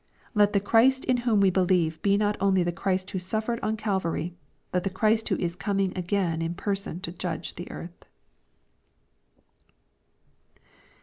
Let the Chiist ia whom we believe be not only the Christ who suffered on Calvary, but the Christ who is coming again in per son to judge the earth.